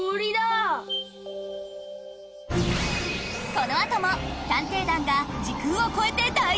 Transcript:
［この後も探偵団が時空を超えて大調査］